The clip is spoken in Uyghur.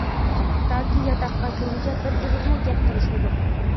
تاكى ياتاققا كىرگۈچە بىر ئېغىزمۇ گەپ قىلىشمىدۇق.